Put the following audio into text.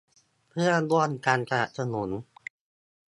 เพื่อร่วมกันสนับสนุน